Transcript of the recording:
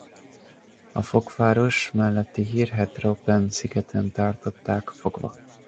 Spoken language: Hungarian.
A Fokváros melletti hírhedt Robben-szigeten tartották fogva.